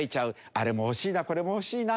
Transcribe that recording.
あれも欲しいなこれも欲しいな。